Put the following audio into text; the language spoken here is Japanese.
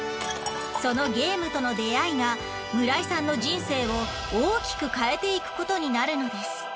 そのゲームとの出会いがむらいさんの人生を大きく変えていくことになるのです。